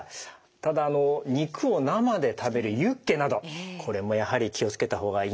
ただ肉を生で食べるユッケなどこれもやはり気を付けた方がいいんでしょうね。